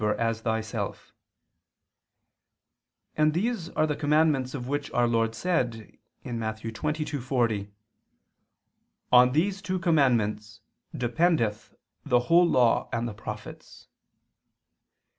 'friend'] as thyself"; and these are the commandments of which our Lord said (Matt. 22:40): "On these two commandments dependeth the whole law and the prophets."